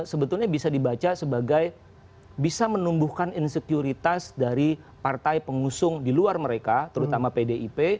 sebetulnya bisa dibaca sebagai bisa menumbuhkan insekuritas dari partai pengusung di luar mereka terutama pdip